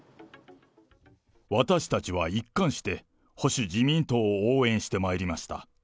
私たちは一貫して、保守・自民党を応援してまいりました。